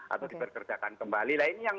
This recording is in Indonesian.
atau diperkerjakan kembali lain yang